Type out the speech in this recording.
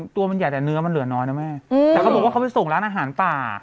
ตัวมันใหญ่แต่เนื้อมันเหลือน้อยนะแม่แต่เขาบอกว่าเขาไปส่งร้านอาหารป่า